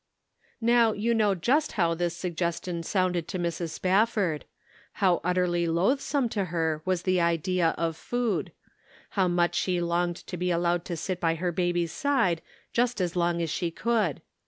Now you know just how this suggestion sounded to Mrs. Spafford. How utterly loath some to her was the idea of food. How much she longed to be allowed to sit by her baby's side just as long as she could.